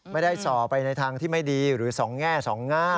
ส่อไปในทางที่ไม่ดีหรือสองแง่สองแง่